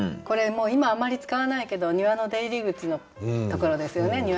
これもう今あんまり使わないけど庭の出入り口のところですよね。